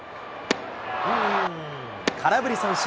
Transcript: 空振り三振。